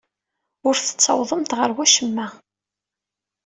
Ur tettawḍemt ɣer wacemma.